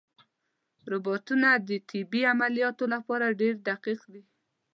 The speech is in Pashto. روبوټونه د طبي عملیاتو لپاره ډېر دقیق دي.